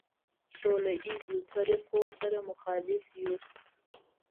سوله ایزو طریقو سره مخالف یو.